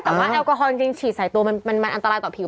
แต่ว่าแอลกอฮอลจริงฉีดใส่ตัวมันอันตรายต่อผิว